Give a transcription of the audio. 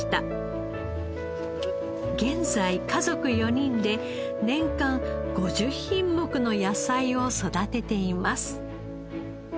現在家族４人で年間５０品目の野菜を育てています。